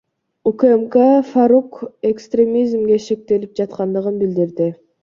УКМК Фарук экстремизмге шектелип жаткандыгын билдирди.